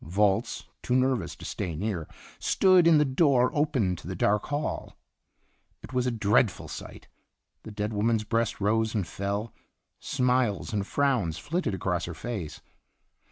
Volz, too nervous to stay near, stood in the door open to the dark hall. It was a dreadful sight. The dead woman's breast rose and fell; smiles and frowns flitted across her face.